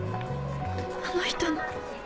あの人の。